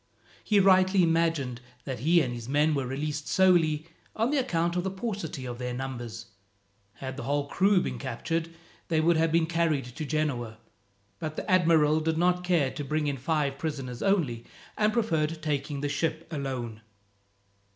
He rightly imagined that he and his men were released solely on account of the paucity of their numbers. Had the whole crew been captured, they would have been carried to Genoa; but the admiral did not care to bring in five prisoners only, and preferred taking the ship alone.